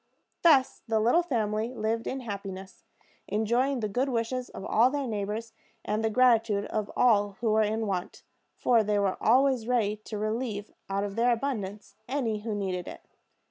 Thus the little family lived in happiness, enjoying the good wishes of all their neighbors, and the gratitude of all who were in want; for they were always ready to relieve out of their abundance any who needed it.